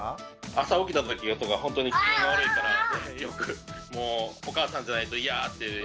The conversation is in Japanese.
朝起きたときとかほんとに機嫌が悪いからよくもうお母さんじゃないとイヤーって。